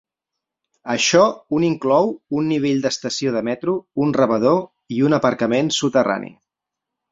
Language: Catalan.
Això un inclou un nivell d'estació de metro, un rebedor i un aparcament soterrani.